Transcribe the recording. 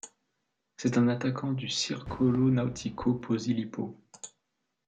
C'est un attaquant du Circolo Nautico Posillipo.